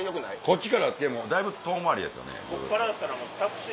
こっちからでもだいぶ遠回りですよね？